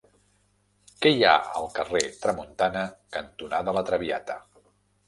Què hi ha al carrer Tramuntana cantonada La Traviata?